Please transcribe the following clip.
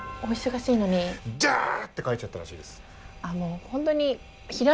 ダって書いちゃったらしいです。